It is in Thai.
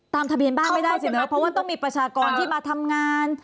ทะเบียนบ้านไม่ได้สิเนอะเพราะว่าต้องมีประชากรที่มาทำงาน